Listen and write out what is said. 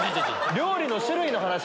料理の種類の話ね。